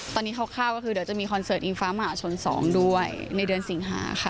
ตอนนี้คร่าวก็คือเดี๋ยวจะมีคอนเสิร์ตอิงฟ้ามหาชน๒ด้วยในเดือนสิงหาค่ะ